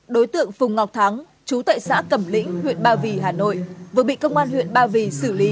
đối tượng phùng ngọc thắng chú tại xã cẩm lĩnh huyện ba vì hà nội vừa bị công an huyện ba vì xử lý